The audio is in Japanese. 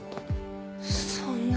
そんな。